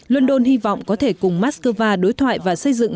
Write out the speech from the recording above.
london hy vọng có thể cùng moscow đối thoại và xây dựng